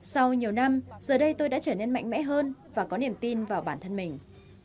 sau nhiều năm giờ đây tôi đã trở nên mạnh mẽ hơn và có niềm tin vào bản thân mình